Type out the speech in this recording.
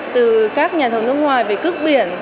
từ các nhà thống nước ngoài về cước biển